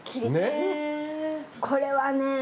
これはね